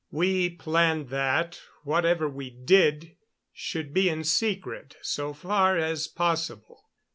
We planned that whatever we did should be in secret, so far as possible.